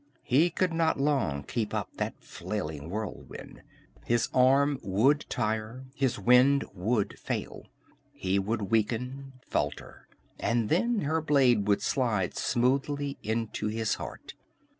He could not long keep up that flailing whirlwind. His arm would tire, his wind would fail; he would weaken, falter, and then her blade would slide smoothly into his heart.